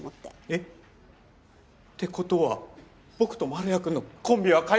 えっ？って事は僕と丸谷くんのコンビは解消？